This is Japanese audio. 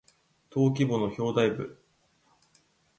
登記簿の表題部